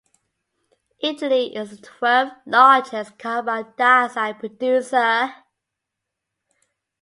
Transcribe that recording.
Italy is the twelfth largest carbon dioxide producer.